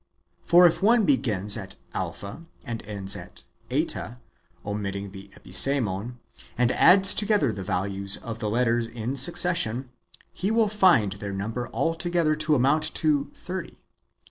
For if one begins at Alpha and ends with Eta, omitting the Episemon, and adds together the value of the letters in succession, he will find their number alto gether to amount to thirty.